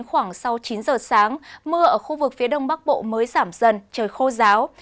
khoảng sau chín giờ sáng mưa ở khu vực phía đông bắc bộ mới giảm dần trời khô giáo